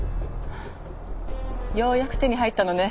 はぁようやく手に入ったのね。